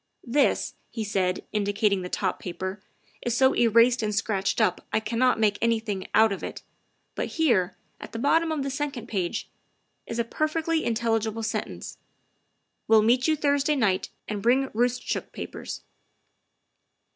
" This," he said, indicating the top paper, "is so erased and scratched up I cannot make anything out of it, but here, at the bottom of the second page, is a per fectly intelligible sentence. ' Will meet you Thursday night and bring Roostchook papers.